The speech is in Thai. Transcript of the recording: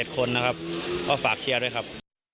๗คนนะครับก็ฝากเชียร์ด้วยครับ